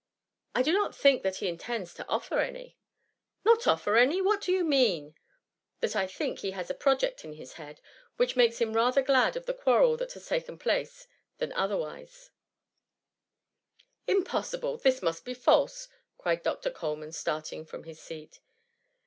'^'*^ I do not think that he intends to offer any*'' Not offer any ! What do you mean ?"^^ That I think he has a project in his head^ which makes him rather glad of the quarrel that has taken place, than Otherwise;'' " Impossible ! this must be false/' cried Dr. Coleman, starting from his seat.